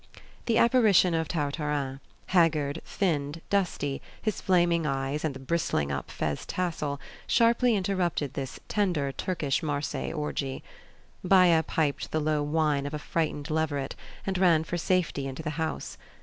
The apparition of Tartarin, haggard, thinned, dusty, his flaming eyes, and the bristling up fez tassel, sharply interrupted this tender Turkish Marseillais orgie. Baya piped the low whine of a frightened leveret, and ran for safety into the house.